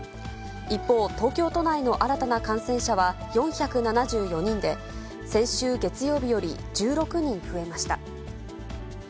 一方、東京都内の新たな感染者は４７４人で、先週月曜日より１６人増えました。